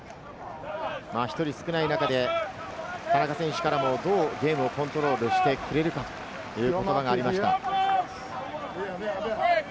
１人少ない中で、田中選手からもどうゲームをコントロールしてくれるかという言葉がありました。